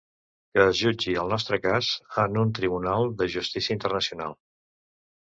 Que es jutgi el nostre cas en un tribunal de justícia internacional.